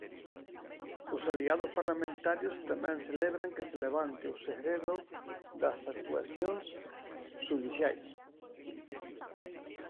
Os aliados parlamentarios tamén celebran que se levante o segredo das actuacións xudiciais.